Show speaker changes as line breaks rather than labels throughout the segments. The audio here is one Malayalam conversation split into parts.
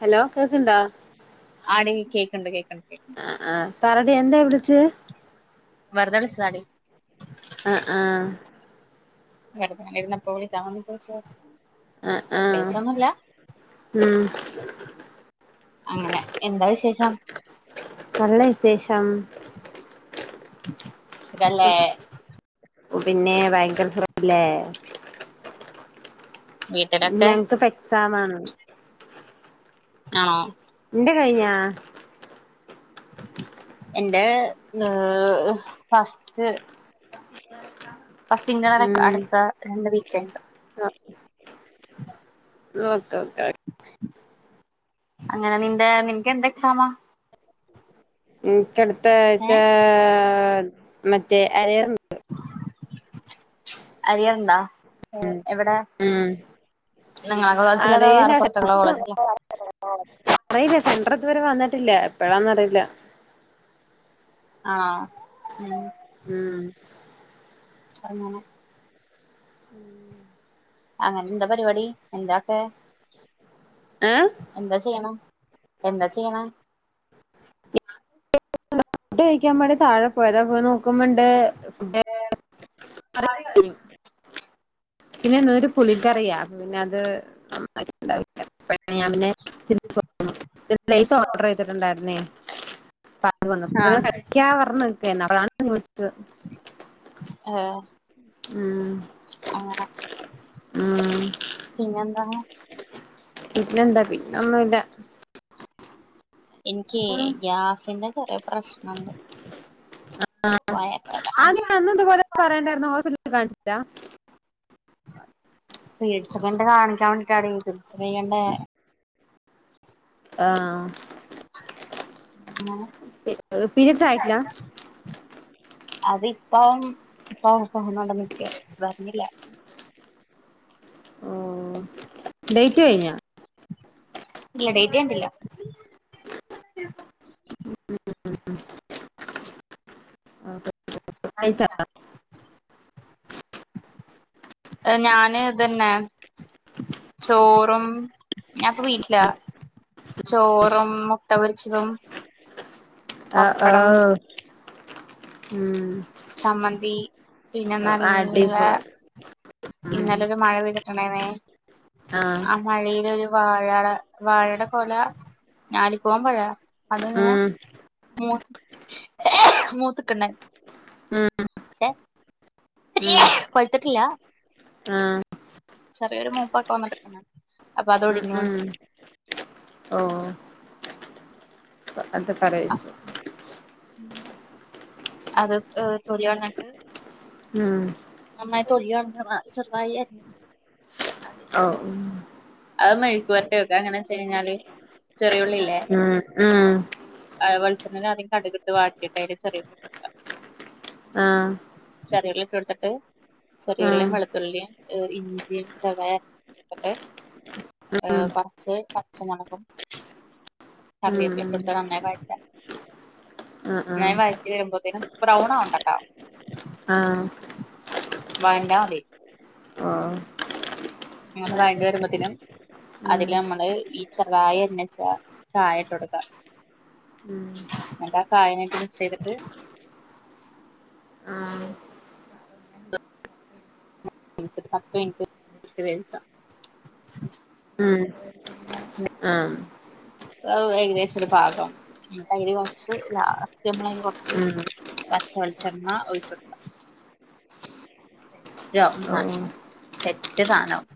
ഹലോ കേക്ണ്ടോ
കണ്ട് കേക്ണ്ട്
വിളിച്ചേ
വെറുതെ വിളിച്ചതാടി
ആ ആ
വെറുതെ ങ്ങനെ ഇരുന്നപ്പൊ വിളിക്കാൻ തോന്നയേപ്പം
ആഹ്
[unintelligible]
ആഹ്
പ്രത്യേകിച്ച് ഒന്നൂല്ല
ഉം
അങ്ങനെ എന്താ വിശേഷം
ഷം
ക് സുഖല്ലേ
പിന്നെ വയങ്കര സുഖല്ലേ
വീട്ടിലൊക്കെ
ഞങ്ങക്ക് പെ എക്സാമാണ് അ
ആഹ്
ന്റെ കഴിഞ്ഞാ
എൻ്റെ ഏ ഫസ്റ്റ് ഫസ്റ്റ് ഇൻ്റേണല്
ഉം
അടുത്ത രണ്ട് വീക്കെന്ഡ്
ഓക്കെ ഓക്കെ
അങ്ങനെ നിന്റെ നിനക്ക് എന്ത എക്സാമാ
ഉം കടുത്തായ്
ഏഹ്
ച്ചാ മറ്റേ അയർ [unintelligible]
അറിയണ്ടാ ഏ എവിടെ
ഉം
നിങ്ങളെ കോളേജിലാണൊ
അറിയില്ല
വേറെ പുറത്തുള്ള കോളേജിലാ
അറിയില്ല സെന്റർ ഇതുവരെ വന്നിട്ടില്ല എപ്പഴാന്നറിയില്ല
ആ
ഉം
അങ്ങനെ
ഉം
അങ്ങനെ എന്താ പരിപാടി എന്താ ക്കെ
ഏഹ്
എന്താ ചെയ്യണെ എന്താ ചെയ്യണ
[unintelligible] ഫുഡ്‌ കഴിക്കാൻ വേണ്ടി താഴെ പോയതാ പോയി നോകുമ്പ ണ്ട്
ഏ [unintelligible]
പിന്നെ എന്നോരു പുളിക്കറിയ പിന്നെ [unintelligible] [unintelligible] ഞാൻ പിന്നെ ഇച്ചിരി റെയ്സ് ഓഡെറെയ്തിട്ടുണ്ടായിരുന്നേ പ്പ അത് വന്ന്
ആഹ്
കഴിക്കാന്ന് പർഞ്ഞു നിക്കണ് [unintelligible] [unintelligible]
ആ
ഉം ഉം
പിന്നെന്താ
പിന്നെന്താ പിന്നൊന്നുല്ല
എനിക്കെ ഗ്യാസിന്റെ ചെറിയ പ്രശ്നണ്ട്
ആ ആ
വയറവേദന
ആന്നെ അന്ന് ത്പോലെ പറയണ്ടായിരുന്നു ഹോസ്പിലിൽ കാണിച്ചില്ല
പേടിച്ച് കൊണ്ട് കാണിക്കാൻ വേണ്ടി [unintelligible] സ്ത്രീ കണ്ടേ
ആ പീരിയഡ്സ് ആയിട്ടില്ല
അത് ഇപ്പം പ്പം [unintelligible] പർഞ്ഞില്ല
ഓ ഡെയ്റ്റ് കഴിഞ്ഞ
ഇല്ല ഡെയ്റ്റ് കഴിഞ്ഞിട്ടില്ല
കഴിച്ച
ഏ ഞാന് ഇതന്നെ ചോറും ഞാനിപ്പ വീട്ടിലാ ചോറും മുട്ട പൊരിച്ചതും
ആഹ്
പപ്പടം
ആഹ് ഉം
ചമ്മന്തി പിന്നെ നല്ല
അടിപൊളി ഉം
ഇന്നലൊരു മഴ പെയ്ത [unintelligible]
ആഹ്
ആ മഴയിലൊരു വാഴാടെ വാ പേഴേടെ കൊല ഞാലി പൂവൻ പഴ അത്ങ്ങനെ
ഉം
മൂത്ത് മൂത്ത് ക്ക്ണ്
ഉം
ശെ
ഉം
പഴ്ത്തിട്ടില്ല
ആഹ്
ചെറിയൊരു മൂപ്പൊക്കെ വന്ന് ണ്ട് അപ്പൊ
ഉം
അതോടിഞ്ണ്
ഉം ഓ അത് കറിവെച്ചു
അത് എ് തൊലി കൾഞ്ഞ്ട്ട്
ഉം
നന്നായി തൊലി കൾഞ്ഞ് ചെറ്തായി അര്
ഓ ഉം
അയ് മെഴ്ക്ക് പൊര്ട്ടി വെക്കാ അയ് എങ്ങനെ വെച്ച് കഴിഞ്ഞാൽ
ഉം ഉം
ഏ വെളിച്ചെണ്ണെൽ ആദ്യം കട്ക് ഇട്ട് വാട്ടിയിട്ട് അയിൽ ചെറെ ഉള്ളി ഇട്ടൊട്ക്കാ
ഉം ആഹ്
ചെറെ ഉള്ളി ഇട്ടൊട്ത്തിട്ട് ചെറെ ഉള്ളിം
ആഹ്
വെളുത്തുള്ളിം ഏ ഇഞ്ചിം [unintelligible] ഇട്ട്ട്ട് ഏ കൊർച്ച് പച്ച മൊളകും
ഉം
കറെപ്പില ഒക്കെ
ഉം
ഇട്ടൊട്ത്താണ്ട് നന്നായി വഴറ്റാ
ആഹ്
നന്നായി
ആഹ്
വഴറ്റി വെരുമ്പോത്തിനും ബ്രൗൺ ആവണ്ടട്ടോ
ആഹ്
വയന്റാമതി
ഓ ഉം ഉം
ന
ആഹ്
പത്ത് മിൻറ്റ്
ഉം ആഹ് ഉം
ഏകദേശം ഒരു പാകം ന്നട്ടയില് കൊറച്ച് ലാസ്റ്റ് അമ്മളയ്ന് കൊറച്ച് പച്ചവെളിച്ചെണ്ണ ഒഴിച്ചൊട്ക്കാ
ഓ
[unintelligible]
ഉം
സെറ്റ് സാനാവും.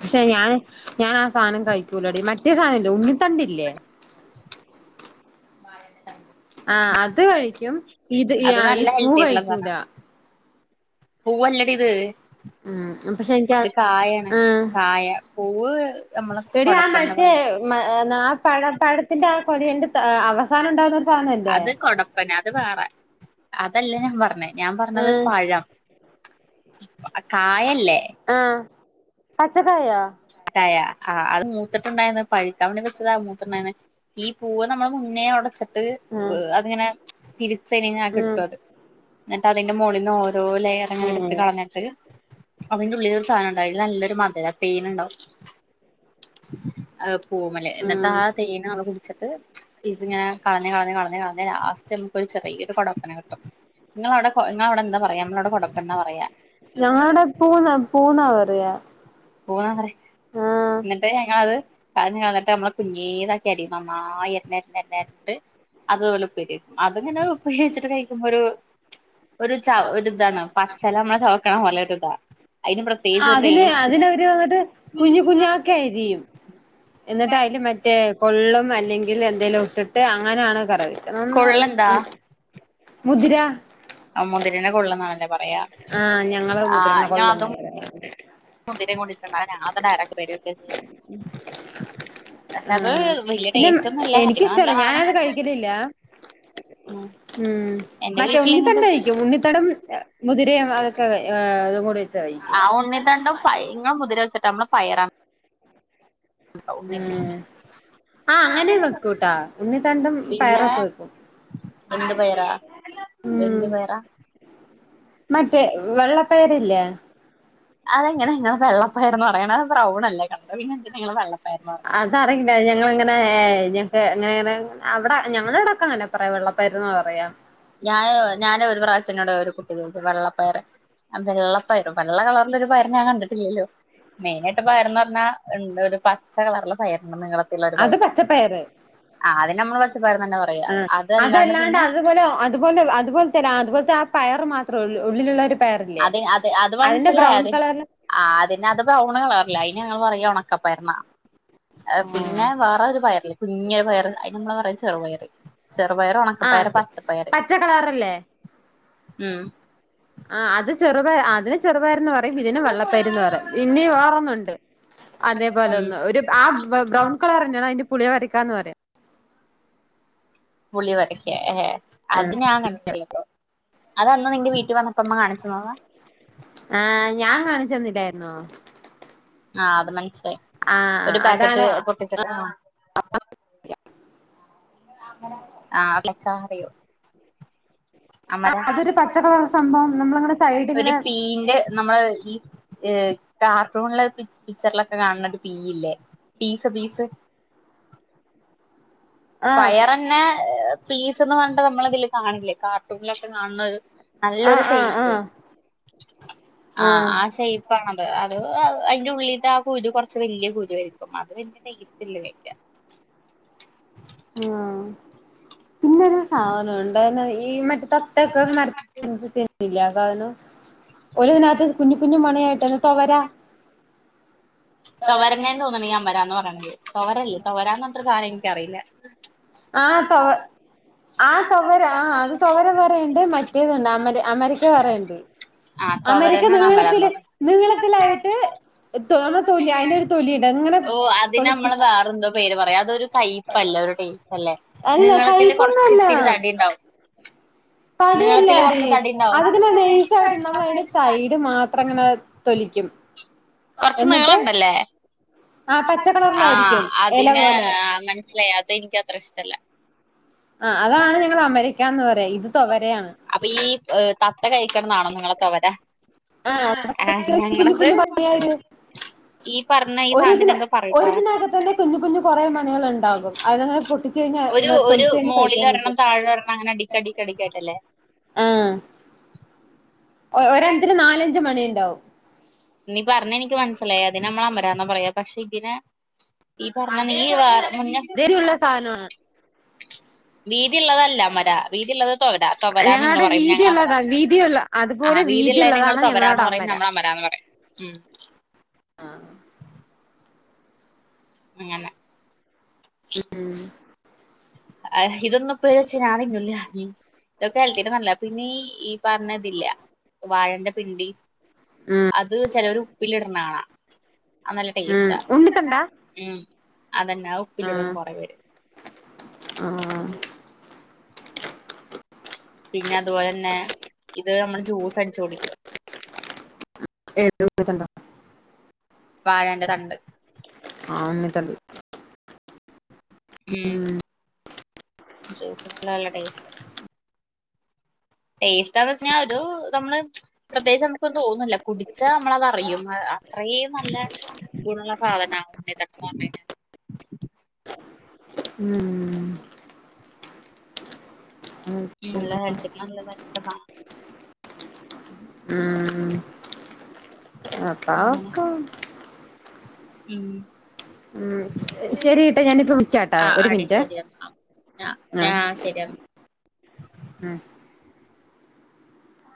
പക്ഷെ ഞാന്, ഞാനാസാനം കഴിക്കൂലെടി മറ്റ് സാനല്ലേ ഉണ്ണി തണ്ട്ല്ല്യേ ആ അത് കഴിക്കും, ഇത് ഈ
അത്
ആ ഈ
നല്ല
പൂ കഴിക്കൂല.
പൂവല്ലടീത്.
ഉം അപ്പ ശെരിക്കാ ആഹ്
പൂവ്വ്
എടീ ആ മറ്റേ ആ പഴ പഴത്തിന്റെ ആ കൊലേന്റെ അവസാനണ്ടാകുന്നൊരു സാനല്ലേ
അത് കൊടപ്പന അത് വേറെ അതല്ല ഞാൻ പറഞ്ഞേ ഞാ പറഞ്ഞത്
ഉം
പഴം കായല്ലേ
ആഹ് പച്ചക്കായോ
ആ അത് മൂത്തിട്ട്ണ്ടാന്ന് പഴ്ക്കാൻ വേണ്ടി വെച്ചതാ മൂത്തമ്മാനേ ഈ പൂവ നമ്മള് മുന്നേ ഒടച്ചിട്ട്
ഉം
അത്ങ്ങനെ ഇരി ശെനി ഞാ
ഉം
കിട്ടോത് ന്നട്ട് അതിന്റെ മോളിന്ന് ഓരോ ലെയർങ്ങനെ
ഉം
എടുത്ത് കളഞ്ഞിട്ട്, അത്ൻ്റെ ഉള്ളിലൊര് സാനണ്ട് അയില് നല്ലൊരു മധുരാ തേന്ണ്ടാവും പൂമല് എന്നിട്ട്
ഉം
ആ തേൻ ഞാള് കുട്ച്ചിട്ട് ഇതിങ്ങനെ കളഞ്ഞ് കളഞ്ഞ് കളഞ്ഞ് കളഞ്ഞി ലാസ്റ്റ് അമ്മക്കൊരു ചെറിയൊരു കൊടോപ്പനെ കിട്ടും ഇങ്ങളവടെ എന്താ പറയാ അമ്മളവ്ടെ കൊടപ്പന്നാ പറയാ
ഞങ്ങളെ ഇവടെ പൂ ന്നാ പൂ ന്നാ പറിയാ
പൂ ന്നാ പറിയ ഇന്നട്ട് ഞങ്ങൾ അത് അയ് ഇഞ്ഞ് കളഞ്ഞിട്ട് അമ്മൾ കുഞ്ഞീതാക്കി അരിയും നന്നായി അര്ണ് അര്ൺട്ട് അതും ഓൽ ഉപ്പേരി വെക്കും അതിങ്ങനെ ഉപ്പേരി വെച്ച്ട്ട് കഴിക്കുമ്പോ ഒരു ചവ പച്ചെല നമ്മൾ ചവക്ക്ണ പോലെ ഒര് ഇതാ അയിന് പ്രതേകിച്ചൊരു ടേസ്റ്റ് അതിന് അതിനെന്താ
[unintelligible] വന്നിട്ട് കുഞ്ഞ് കുഞാക്കിയിരിയും എന്നിട്ടതില് മറ്റേ കൊള്ളും അല്ലെങ്കിൽ എന്തേലുമൊക്കെ ഇട്ട് അങ്ങനെയാണ് കറക്- [unintelligible]
ആ മുതിരന കൊള്ളന്നാണല്ലേ പറയാ
ആഹ് ഞങ്ങള്
ആ
മുതിരനെ കൊള്ളുന്നാ
അതും
പറയുന്നെ
മുതിര കൂടിട്ടുണ്ടനാ ഞങ്ങളിന്ന് ഡയറക്റ്റ് വരും. പക്ഷെ അത്
ആ
വലിയ
പിന്നെ
ടേസ്റ്റ് ഒന്നുല്ല ഹെൽത്തിന്
എനിക്കിഷ്ടല്ല
നല്ലതാണ്
ഞാനത് കഴിക്കലില്ല
ഉം
ഉം
എന്റെ
മറ്റേ
വീട്ടില് ഇങ്ങനത്തെ
ഉണ്ണിത്തണ്ട് കഴിക്കും ഉണ്ണിത്തടം മുതിരയും [unintelligible] അതും കൂടെ
ആ ഉണ്ണി തണ്ടും പയങ്ങ മുതിരവച്ച ടമ്മ പയറാണ് ഉണ്ണിത്തണ്ട്
ആ അങ്ങനെ വെക്കൂട്ടാ ഉണ്ണിത്തണ്ടും
പിന്നെ
പയറൊക്കെ വെക്കും
എന്ത് പയറാ
ഉം
വല്യ പയറാ
മറ്റേ വെള്ളപ്പയറില്ലേ
അതെങ്ങനെ നിങ്ങെ വെള്ളപ്പയറെന്ന് പറയണ ബ്രൂ ലെ കണ്ടേ പിന്നെ എന്തിനാ വെള്ള പയ-
അതറിയില്ല ഞങ്ങൾ അങ്ങനെ ന്നിട്ട് അങ്ങനെങ്ങനെ അവിടെ ഞങ്ങളടക്കെ അങ്ങനെ പറയാംവെള്ള- വരുന്ന പറയാം
ഞാന് ഞാന് ഒരു പ്രാവശ്യനോട് ഒരു കുട്ടി വെള്ളപ്പയറ് വെള്ളപ്പയറ് വെള്ള കളറില ഒരു പയറ് ഞാൻ കണ്ടിട്ടില്ലല്ലോ മെയ്നായിട്ട് പയറന്ന് പറഞ്ഞാ രണ്ട് [unintelligible] പച്ച കളറിലെ പയറ്- നീളത്തിലൊരു
അത്
പയർ
പച്ചപ്പയറ്
അതിന് നമ്മൾ പച്ചപ്പർ തന്നെ പറയാ അതല്ലാണ്ട് പിന്നെ-
അതുപോലെ അതുപോലെ തന്നെ അതുപോലത്തെ ആ പയർ മാത്രമ ഉള്ളൂ ഉള്ളിലുള്ള ഒരു പയറില്ലേ
അത് അത് അത്
അതിന്റെ
മനസ്സിലായ
ബ്രൗൺ
അത്
കളറില്
ആ അതിന് അത് ബ്രൗണ് കളറില്ല അയിന് ഞങ്ങള് പറയ ഉണക്കപ്പയറന്നാ പിന്നെ വേറെ ഒരു പയറല്ലേ കുഞ്ഞൊരു പയറ് അയിന് നമ്മ പറയാ ചെറുമയറി ചെറുപയറ്
ആഹ്
ഒണക്കപ്പയറ് പച്ചപ്പയറ്
പച്ച കളറല്ലേ
ഉം
ആ അത് ചെറുപ അതിന് ചെറുപയർന്ന് പറയും ഇതിനെ വെള്ളപ്പയ്ര്ന്ന് പറയും ഇനി വേറൊന്നുണ്ട് അതേപോലെ
ഉം
ഒന്ന് ഒരു ആ ബ്രൗൺ കളറെന്നേണ് അയ്നെ പുളിയവരക്കാന്ന് പറയും
പുളിവരക്കെ ഹെ അത്
ആഹ്
ഞാൻ കേട്ട് അതന്ന് നിന്റെ വീട്ട്
ആഹ ഞാൻ കാണിച്ചന്നില്ലായിരുന്നോ
ആഹ് അത് മൻസ്
ആഹ അഹ് അതാണ് അമര
ആഹ് അലക്കാ അറിയോ അമര
ആഹ് അതൊരു പച്ച കളർ സംഭവം നമ്മളിങ്ങനെ സൈഡ്
ഒരു
ഇങ്ങനെ
പീന്റെ നമ്മള് ഈ ഏ കാർട്ടൂൺലെ പിച്ചർലൊ ക്കെകാണ്ണ ഒരു പീയില്ലേ പീസ പീസ്
ആഹ്
പയറന്നെ ഏ പിസ് വന്ന്ട്ട് ന്നമ്മളിതില് കാൺലെ കാർട്ടൂണിലൊക്കെ കാണഅ
ആഹ് ആഹ്
നല്ലൊരുഷെയ്പ്പ്
ആഹ്
ആഹ
ആഹ്
ആഷെയ്പ്പാണത് അത് അവ് ഐ തിന്റെ ഉള്ളിത്തെ ആ കുരുകൊറച്ച് വെല്ല്യ കുരുആരിക്കും അത് പിന്നെ ടെസ്റ്റില്ല വെക്കാ
[inaudible] പിന്നൊരുസാധനം ഉണ്ട് എനാ ഈ മറ്റെതത്തൊക്കെ [unintelligible] ഇല്ല കാനൊ ഒരുദിനകത്ത് കുഞ്ഞു കുഞ്ഞു മണിയായിട്ട്ന്ന് തൊവര
തവരനെ തോന്നണ് ഈ അമരാന്ന് പറയണ് തൊവരല്ല തൊവരാന്നർട്ടൊരു സാധനം എനിക്കറിയില്ല
ആ തൊവ ആ തൊവരാ ആ അത് തൊവര വേറെയിൻഡ് മറ്റേത്ണ്ട് അമര അമരക്ക വേറെയിൻഡ്
ആഹ്
അമരക്ക
തുവരനാണ് അമരാന്ന്
നീളത്തില്,
പറയണെ
നീളത്തിലായിട്ട് തൊ നമ്മുടെ തൊലി അയിനൊരു തൊലിണ്ട് അഇങ്ങനെ
ഓഹ് അതിന്
പൊളിച്ചി
നമ്മള് വേറെന്തോ പേര് പറയാ അതൊരു കയ്പ്പല്ലേ ഒരു ടേസ്റ്റ് അല്ലേ
അല്ല
നീളത്തില് കൊറച്ച്
കൈപ്പൊന്നല്ലാ.
ഇത്തിരി തടി ഉണ്ടാവും നീളത്തില്
തടിയല്ലാടി,
കൊറച്ച് തടി ഉണ്ടാവും
അത്ങ്ങനെ നൈസാ പില്ലാന്ന് പറയണേ, യ്ന്റെ സൈഡ് മാത്രങ്ങനെ തൊലിക്കും
കൊർച്ച്
എന്നിട്ട്
നീളണ്ടല്ലേ
ആ പച്ച കളറിലായിരിക്കും
ആഹ്
എല
അതിന്
പോലെ
അഹ് മനസ്സിലായി, അതെനിക്ക് അത്രഷ്ടല്ല
ആ
അതാണ്
ഞങ്ങൾ
ഞങ്ങളെ
അമരക്കാന്ന് പറയാ ഇത്
[unintelligible]
തൊവരയാണ്
അപ്പൊ ഈ ഉം തത്ത കഴിക്കണംന്നാണോ നിങ്ങളക്കെ അവടെ
ആഹ് തത്തക്ക് കുഞ്ഞ് കുഞ്ഞ് മണിയാണ്
ഈ പറഞ്ഞ ഈ സാധനത്തിന്
ഒരുതിന്
എന്തോ പറയൂട്ടോ
ഒരുതിനകത്തെന്നെ കുഞ്ഞു കുഞ്ഞു കൊറെ എണ്ണം അങ്ങനെ ഇള്ളത് ഉണ്ടാകും അതിനങ്ങനെ പൊട്ടിച്ച് കഴിഞ്ഞാ തൊലിച്ച് ക
മോളിലൊരണ്ണം താഴെ ഒരണ്ണം അങ്ങനെ അടീക്കടീക്ക ടീക്കായിട്ടല്ലേ
ഒ ഒരൻത്തില് നാലഞ്ച് മണി ഇണ്ടാവും
നി പറണത് എനിക്ക് മൻസിലായി അതിനെ അമ്മള് അമര പർണാപറയാ പക്ഷെ ഇതിനെ ഈ പറഞ്ഞ നീ വേറ്
ഇതെരിവുള്ള സാധനമാണ്
വീതിള്ളതല്ല അമര വീതിഇള്ളത് താെവരാ താെവരാന്ന്
ഞങ്ങളുടെ
ഇങ്ങള്പറയും ഞങ്ങള്
വീതിയുള്ളതാ
അമരാന്നും
വീതിയുള്ള
ആഹ്
അതുപോലെ
വീതിള്ളേയ്നെ ഇങ്ങള്
വീതിയുള്ളതാണ് ഞങ്ങളുടെ
താെവരാന്ന് പറയും
അമര
ഞമ്മള് അമരാന്ന് പറയും ഉം
ആഹ്
ഇങ്ങനെ
ഉം ഉം
അഹ് ഇതൊന്നും ഇപ്പ വെച്ച ഞാനെന്നുല്യേ ഉം ഇതൊക്കെ ഹൽത്തിട്ട് ഹൻലാപ് പിന്നെ ഈ പർണ ഇതില്ല വാഴന്റെ പിണ്ടി അത് ചെലോര് ഉപ്പിലിട്ണാണ നല്ല
ഉം
ടേസ്റ്റാ
ഉണ്ണിത്തണ്ടാ
ഉം അതെന്നാ അത് ഉപ്പിലിട്ണ് കൊറെ പേര്
ആഹ്
പിന്നെ അത്പോലെന്നെ ഇത് നമ്മള് ജൂസ് അടിച്ച്കുടി
ഏത് ഉണ്ണിതണ്ടാേ
വാഴന്റെ തണ്ട്
ആഹ് ഉണ്ണിതണ്ട് ഉം
ജൂസ് അടിച്ചാല് നല്ല ടേസ്റ്റാ ടേസ്റ്റ് ഏതെന്ന് വെച്ച്നഇത് നമ്മള് പ്രത്യേകിച്ച് നമുക്കൊന്നും തോന്നൂല കുടിച്ചാ നമ്മളത് അറിയും അത് അത്രീം നല്ല ഗുണള്ള സാധനാ ഉണ്ണിത്തണ്ട് പറ്ണൈഞ്ഞാല്
ഉം
ഉം നല്ലതാ ഹെൽത്തിന് നല്ലതായിട്ട്ള്ള സാധനാ അങ്ങനെ
മറ്റാളൊർക്കം
ഉം
ശരിയിട്ടാ ഞാനിപ്പ വിളിച്ചാട്ടാ
ആ
ഒരു
അടി
മിൻറ്റെ
ശരിയാ ആ
ആഹ്
ആ ശരിയാ
ഉം